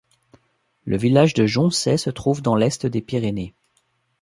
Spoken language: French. Le village de Joncet se trouve dans l'Est des Pyrénées.